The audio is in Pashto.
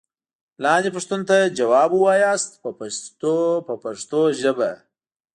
لاندې پوښتنو ته ځواب و وایئ په پښتو ژبه.